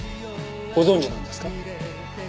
ご存じなんですか？